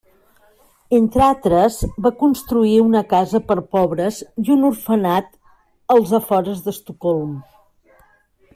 Entre altres, va construir una casa per a pobres i un orfenat als afores d'Estocolm.